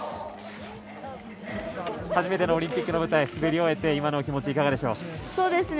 初めてのオリンピックの舞台滑り終えて今のお気持ちはいかがでしょう？